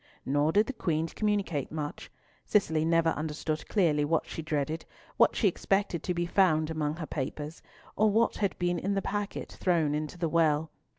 Nor did the Queen communicate much. Cicely never understood clearly what she dreaded, what she expected to be found among her papers, or what had been in the packet thrown into the well.